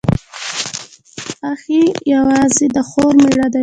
اخښی، يعني د خور مېړه.